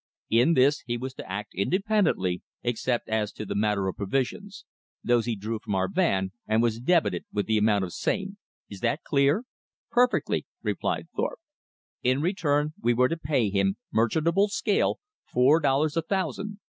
In this he was to act independently except as to the matter of provisions. Those he drew from our van, and was debited with the amount of the same. Is that clear?" "Perfectly," replied Thorpe. "In return we were to pay him, merchantable scale, four dollars a thousand.